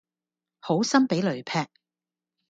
好心俾雷劈